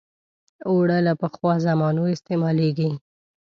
اوړه له پخوا زمانو استعمالېږي